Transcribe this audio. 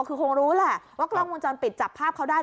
คือคงรู้แหละว่ากล้องวงจรปิดจับภาพเขาได้